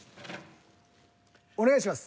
お願いします。